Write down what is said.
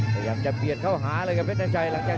ขอยังจะเปลี่ยนเข้าห้าเลยครับเพชรน้ำชาย